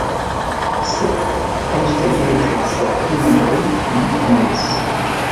Sed post kelkaj sekundoj li diris: